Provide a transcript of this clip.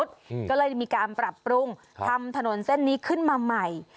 ก็เลยมีการปรับปรุงทำถนนเส้นนี้ขึ้นมาใหม่